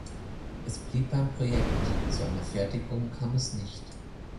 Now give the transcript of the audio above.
Es blieb beim Projekt, zu einer Fertigung kam es nicht.